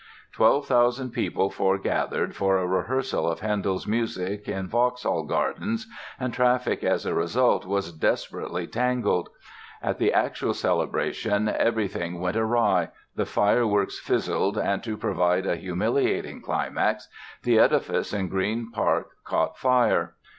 Twelve thousand people foregathered for a rehearsal of Handel's music, in Vauxhall Gardens, and traffic as a result, was desperately tangled. At the actual celebration everything went awry, the fireworks fizzled and to provide a humiliating climax the edifice in Green Park caught fire.